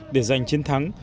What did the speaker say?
để giành chiến thắng